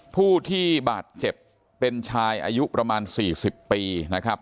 ผู้ที่บาดเจ็บเป็นชายอายุประมาณ๔๐ปีนะครับ